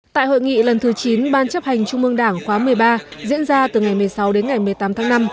tại hội nghị lần thứ chín ban chấp hành trung mương đảng khóa một mươi ba diễn ra từ ngày một mươi sáu đến ngày một mươi tám tháng năm